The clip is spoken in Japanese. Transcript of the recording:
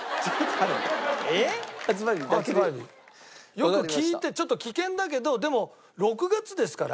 よく聴いてちょっと危険だけどでも６月ですから。